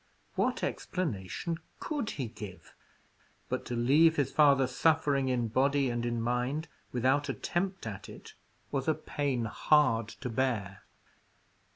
What explanation could he give? But to leave his father suffering in body and in mind, without attempt at it, was a pain hard to bear.